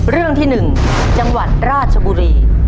เรื่องที่๑จังหวัดราชบุรี